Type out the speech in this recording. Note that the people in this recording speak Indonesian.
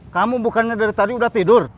kamu bukannya dari tadi udah tidur